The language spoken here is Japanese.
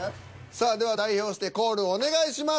さあでは代表してコールお願いします。